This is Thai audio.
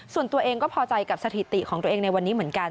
ส่วนตัวเองก็พอใจกับสถิติของตัวเองในวันนี้เหมือนกัน